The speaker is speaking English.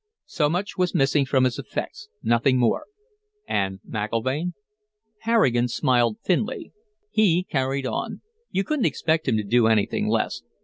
So much was missing from his effects, nothing more." "And McIlvaine?" Harrigan smiled thinly. "He carried on. You couldn't expect him to do anything less.